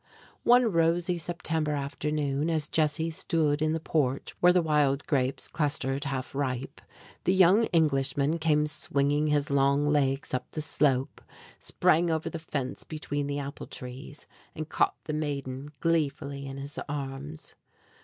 One rosy September afternoon, as Jessie stood in the porch where the wild grapes clustered half ripe, the young Englishman came swinging his long legs up the slope, sprang over the fence between the apple trees, and caught the maiden gleefully in his arms.